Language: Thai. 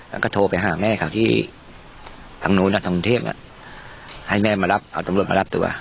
แล้วก็โทรไปหาแม่เขาที่ทางนู้นทางกรุงเทพให้แม่มารับเอาตำรวจมารับตัว